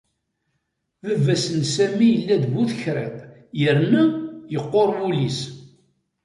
Baba-s n Sami yella d bu tekriṭ yerna yeqqur wul-is.